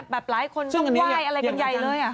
แบบหลายคนก็ไหว้อะไรกันใหญ่เลยอะ